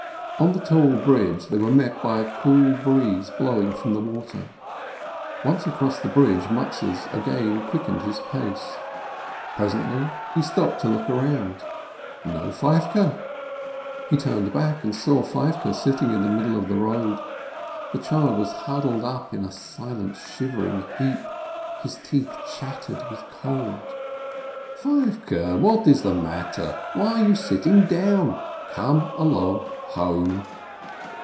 On the tall bridge they were met by a cool breeze blowing from the water. Once across the bridge, Mat tes again quickened his pace. Presently he stopped to look around — no Feivke ! He turned back and saw Feivke sitting in the middle of the road. The child was huddled up in a silent, shivering heap. His teeth chattered with cold. "Feivke, what is the matter? Why are you sitting down? Come along home!"